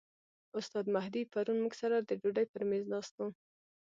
استاد مهدي پرون موږ سره د ډوډۍ پر میز ناست و.